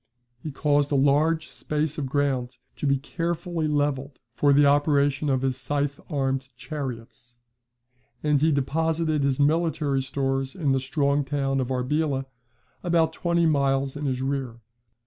He caused a large space of ground to be carefully levelled for the operation of his scythe armed chariots; and he deposited his military stores in the strong town of Arbela, about twenty miles in his rear.